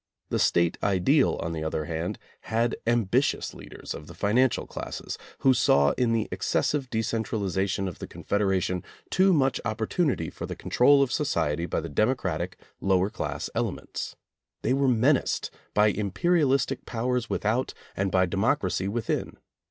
The State ideal, on the other hand, had ambitious leaders of the financial classes, who saw in the excessive decentralization of the Confederation too much opportunity for the control of society by the democratic lower class elements. They were menaced by imperialistic powers without and by democracy within.